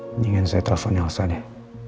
mendingan saya telepon nelsa deh